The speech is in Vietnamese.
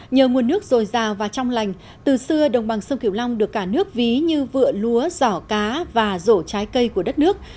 nhờ nguồn nước dồi dào và trong lành từ xưa đồng bằng sông kiều long được cả nước ví như vựa lúa giỏ cá và rổ trái cây của đất nước